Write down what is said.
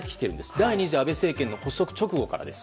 第２次安倍政権の発足直後なわけです。